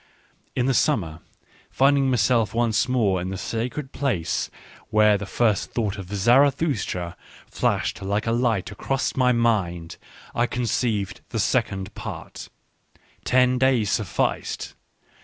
In the summer, finding myself once more in the sacred place where the first thought of Zarathustr a flashed likej iJight, across my mind, I conceived the second part. Ten da ys sufficed.